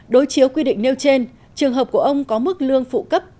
đối chiếu quy định nêu trên trường hợp của ông có mức lương phụ cấp